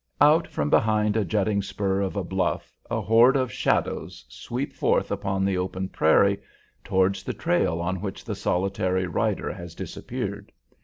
Out from behind a jutting spur of a bluff a horde of shadows sweep forth upon the open prairie towards the trail on which the solitary rider has disappeared.